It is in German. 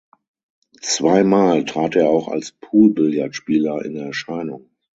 Zweimal trat er auch als Poolbillardspieler in Erscheinung.